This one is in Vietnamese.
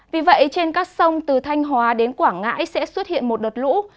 vì vậy trên các sông từ thanh hóa đến quảng ngãi sẽ xuất hiện một đợt lũ